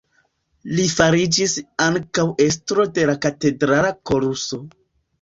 Li fariĝis ankaŭ estro de la katedrala koruso.